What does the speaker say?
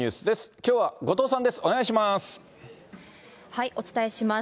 きょうは後藤さんです。